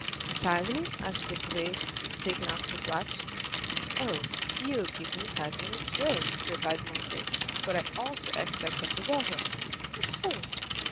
"Precisely?" asked Debray, taking out his watch. "Oh, you will give me five minutes' grace," replied Morcerf, "for I also expect a preserver." "Of whom?"